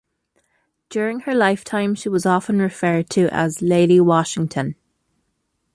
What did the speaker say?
During her lifetime she was often referred to as "Lady Washington".